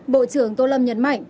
bộ trưởng tô lâm nhấn mạnh